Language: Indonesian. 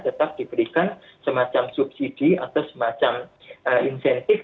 tetap diberikan semacam subsidi atau semacam insentif